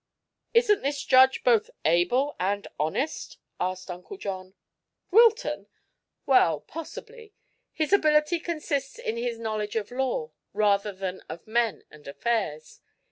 "Isn't this judge both able and honest?" asked Uncle John. "Wilton? Well, possibly. His ability consists in his knowledge of law, rather than of men and affairs.